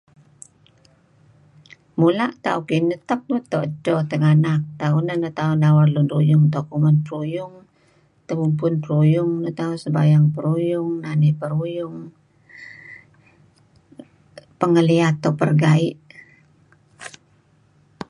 Mula' tauh kinih tak meto edto lun tinganak tauh neh neh tauh nawar lun ruyung tauh kuman peruyung, tebubpun peruung neh tauh, sembayang peruyung, nani peruyung pengaliat tauh pegerai.